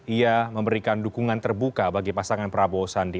ia memberikan dukungan terbuka bagi pasangan prabowo sandi